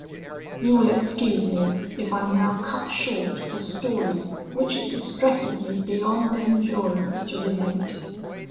"You will excuse me, if I now cut short a story which it distresses me beyond endurance to relate.